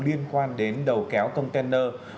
liên quan đến đầu kéo container